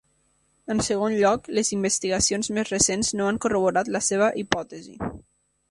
En segon lloc, les investigacions més recents no han corroborat la seva hipòtesi.